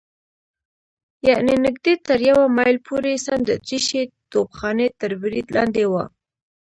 یعنې نږدې تر یوه مایل پورې سم د اتریشۍ توپخانې تر برید لاندې و.